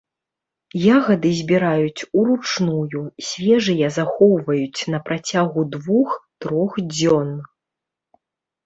Ягады збіраюць уручную, свежыя захоўваюць на працягу двух-трох дзён.